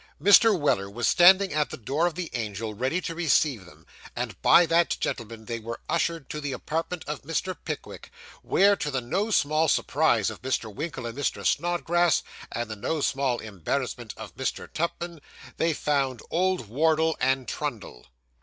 Mr. Weller was standing at the door of the Angel, ready to receive them, and by that gentleman they were ushered to the apartment of Mr. Pickwick, where, to the no small surprise of Mr. Winkle and Mr. Snodgrass, and the no small embarrassment of Mr. Tupman, they found old Wardle and Trundle.